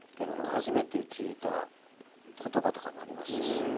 初めて聞いた言葉とかもありましたし。